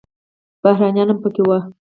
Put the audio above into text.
بهرنیان هم پکې وو.